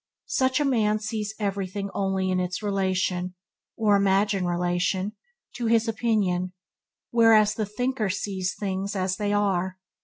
Such a man sees everything only in its relation, or imagined relation, to his opinion, whereas the thinker sees things as they are.